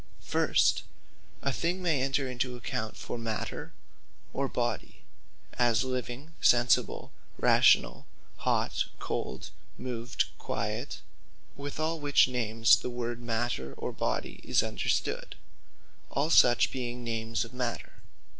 First, a thing may enter into account for Matter, or Body; as Living, Sensible, Rationall, Hot, Cold, Moved, Quiet; with all which names the word Matter, or Body is understood; all such, being names of Matter.